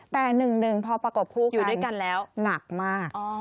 แต่๑๑พอประกบคู่อยู่ด้วยกันแล้วหนักมาก